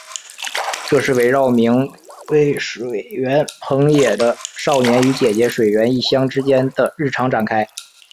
这是围绕名为水原朋也的少年与姐姐水原一香之间的日常展开。